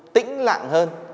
tĩnh lặng hơn